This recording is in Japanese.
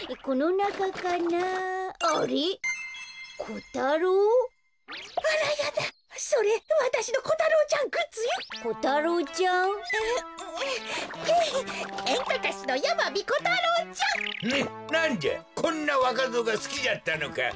なんじゃこんなわかぞうがすきじゃったのか！